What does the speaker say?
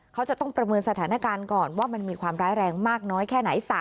เขาจะต้องประเมินสถานการณ์ก่อนว่ามันมีความร้ายแรงมากน้อยแค่ไหน